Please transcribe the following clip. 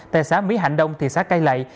tại xã mỹ hạnh đông thị xã cai lậy